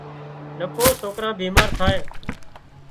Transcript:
نڪو سوڪران بيمار ٿائي